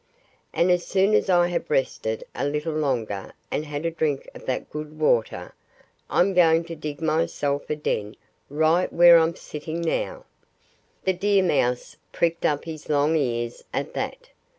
And as soon as I have rested a little longer and had a drink of that good water I'm going to dig myself a den right where I'm sitting now." The deer mouse pricked up his long ears at that.